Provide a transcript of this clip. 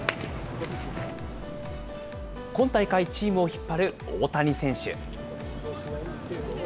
今大会、チームを引っ張る大谷選手。